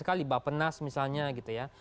bapak penas misalnya gitu ya